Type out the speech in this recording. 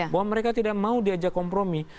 bahwa mereka tidak mau diajak kompromi